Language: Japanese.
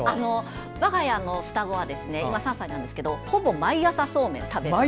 我が家の双子は今、３歳なんですがほぼ毎朝そうめんを食べていて